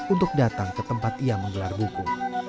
untuk datang ke tempat ia menggelar buku